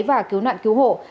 và cứu nạn cứu hộ